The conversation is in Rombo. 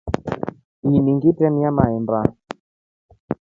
Ini ngitremia mahemba.